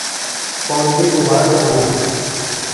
پوندیۡ گُبھا تھےۡ منانہ؟